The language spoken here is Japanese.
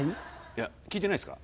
いや聞いてないすか？